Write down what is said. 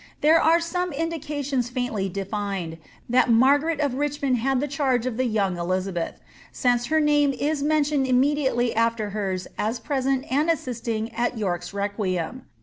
There are some indications fiiintly defined, that Margaret of Richmond had the charge of the young Elizabeth ; since her name is mentioned imme diately aAer hers as present and assisting at York's requiem.